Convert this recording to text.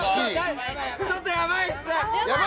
ちょっとやばいっす！